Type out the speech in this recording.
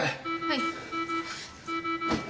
はい。